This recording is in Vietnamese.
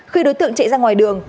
khi đối tượng chạy ra ngoài đường